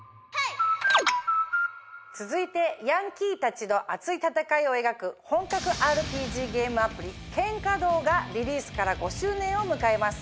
続いてヤンキーたちの熱い戦いを描く本格ＲＰＧゲームアプリ『喧嘩道』がリリースから５周年を迎えます。